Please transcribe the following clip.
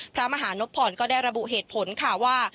พระมหานพรก็ได้ระบุเหตุผลค่ะว่า